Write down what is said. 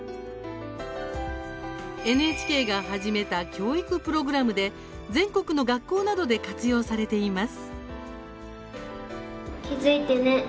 ＮＨＫが始めた教育プログラムで全国の学校などで活用されています。